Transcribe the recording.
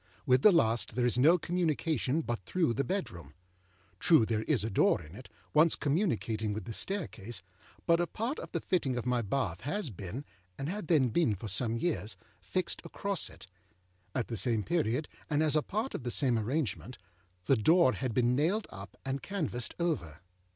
With the last there is no communication but through the bedroom. True, there is a door in it, once communicating with the staircase; but a part of the fitting of my bath has beenâand had then been for some yearsâfixed across it. At the same period, and as a part of the same arrangement, âthe door had been nailed up and canvased over.